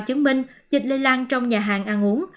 chứng minh dịch lây lan trong nhà hàng ăn uống